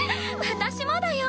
私もだよ！